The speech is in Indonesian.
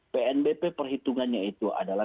tnbp perhitungannya itu adalah